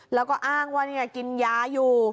แล้วก็อ้างว่ากินยาอยู่